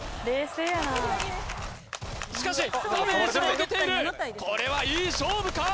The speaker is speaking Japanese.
しかしダメージを受けているこれはいい勝負か！？